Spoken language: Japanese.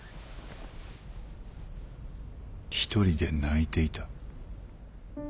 １人で泣いていた。